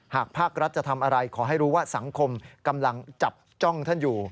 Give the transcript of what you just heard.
หากภาครัฐจะทำอะไรขอให้รู้ว่าสังคมกำลังจับจ้องท่านอยู่